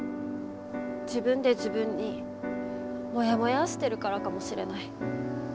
自分で自分にもやもやーしてるからかもしれない。